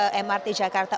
untuk mencoba mrt jakarta